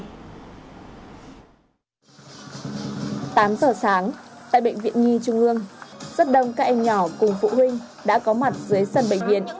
tám giờ sáng tại bệnh viện nhi trung ương rất đông các em nhỏ cùng phụ huynh đã có mặt dưới sân bệnh viện